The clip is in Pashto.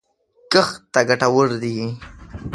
کښت ته ګټور دی